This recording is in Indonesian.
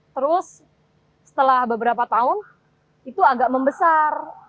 terus setelah beberapa tahun itu agak membesar